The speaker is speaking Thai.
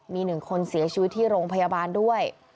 มี๑คนเสียชีวิตที่โรงพยาบาลด้วย